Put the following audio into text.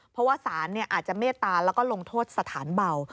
เพราะว่าศาลอาจจะเมตตาแล้วก็ลงโทษสถานเบา